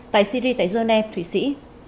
tại syria tại geneva thủy sĩ